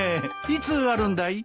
いつあるんだい？